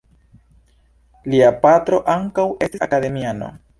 Lia patro ankaŭ estis akademiano.